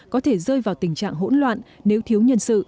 có thể rơi vào tình trạng hỗn loạn nếu thiếu nhân sự